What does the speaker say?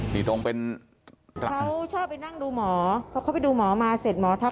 นี่ตรงเป็นเขาชอบไปนั่งดูหมอเพราะเขาไปดูหมอมาเสร็จหมอทัก